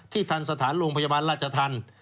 ทันสถานโรงพยาบาลราชธรรม